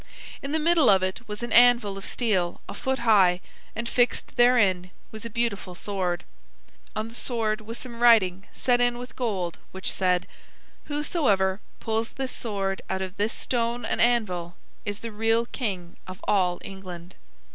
In the middle of it was an anvil of steel a foot high, and fixed therein was a beautiful sword. On the sword was some writing set in with gold which said: "Whosoever pulls this sword out of this stone and anvil is the real king of all England."